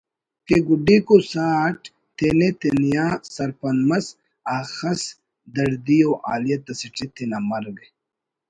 کہ گڈیکو ساہ اٹ تینے تنیا سرپد مس اخس دڑدی ءُ حالیت اسیٹی تینا مرگ